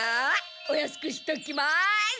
お安くしときます！